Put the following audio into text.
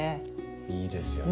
いいですよね。